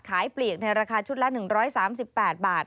ขายปลีกในราคาชุดละ๑๓๘บาท